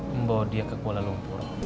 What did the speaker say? membawa dia ke kuala lumpur